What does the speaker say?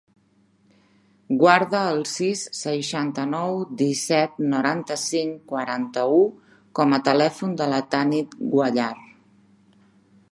Guarda el sis, seixanta-nou, disset, noranta-cinc, quaranta-u com a telèfon de la Tanit Guallar.